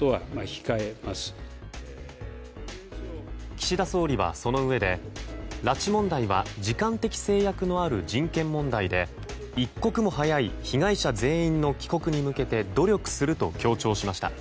岸田総理は、そのうえで拉致問題は時間的制約のある人権問題で一刻も早い被害者全員の帰国に向けて努力すると強調しました。